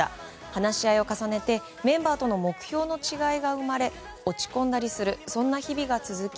話し合いを重ねてメンバーとの目標の違いが生まれ落ち込んだりする日々が続き